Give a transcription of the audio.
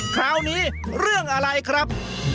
คราวนี้เรื่องอะไรครับ